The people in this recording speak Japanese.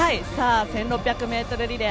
１６００ｍリレー